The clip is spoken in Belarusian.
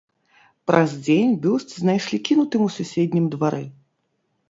Праз дзень бюст знайшлі кінутым у суседнім двары.